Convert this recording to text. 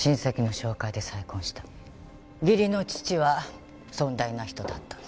義理の父は尊大な人だった。